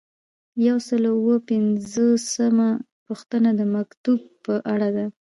یو سل او اووه پنځوسمه پوښتنه د مکتوب په اړه ده.